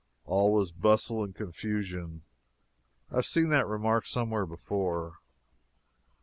All was bustle and confusion. [I have seen that remark before somewhere.